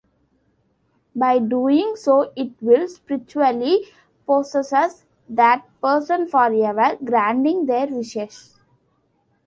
By doing so, it will spiritually possess that person forever, granting their wishes.